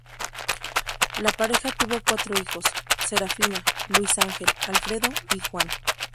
La pareja tuvo cuatro hijos: Serafina, Luis Ángel, Alfredo y Juan.